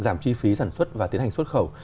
giảm chi phí sản xuất và tiến hành xuất khẩu